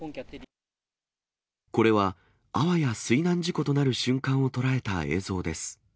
これは、あわや水難事故となる瞬間を捉えた映像です。